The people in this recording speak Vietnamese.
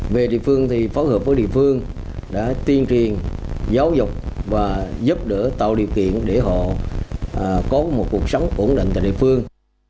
về địa phương thì phối hợp với địa phương đã tuyên truyền giáo dục và giúp đỡ tạo điều kiện để họ có một cuộc sống ổn định tại địa phương